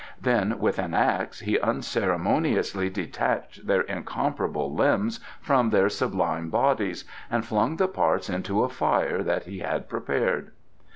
Then with an axe he unceremoniously detached their incomparable limbs from their sublime bodies and flung the parts into a fire that he had prepared.